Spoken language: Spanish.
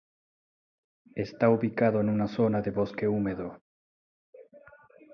Esta ubicado en una zona de bosque húmedo.